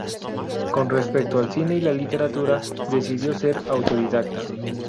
Con respecto al cine y la literatura, decidió ser autodidacta.